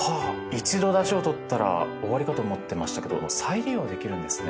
一度だしを取ったら終わりかと思ってましたけども再利用できるんですね。